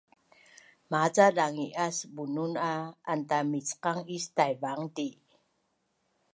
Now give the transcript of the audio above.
Maca dangi’as Bunun a antanmicqang is Taivang ti